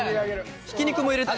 ひき肉も入れたい。